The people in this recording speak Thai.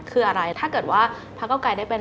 เพราะฉะนั้นคำถามของ